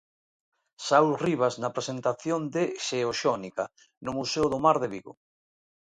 Saúl Rivas na presentación de Xeosónica, no Museo do Mar de Vigo.